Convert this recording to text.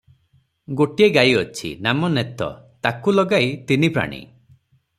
ଗୋଟିଏ ଗାଈ ଅଛି, ନାମ ନେତ, ତାକୁ ଲଗାଇ ତିନିପ୍ରାଣୀ ।